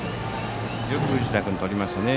よく宇治田君はとりましたね。